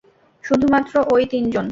শুধুমাত্র অই তিনজন!